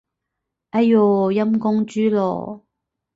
哎唷，陰公豬咯